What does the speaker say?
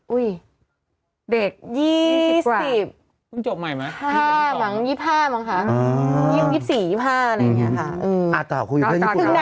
อุ้ยเด็ก๒๐กว่าหรือ๒๕มั้งคะยัง๒๔๒๕อะไรอย่างนี้ค่ะ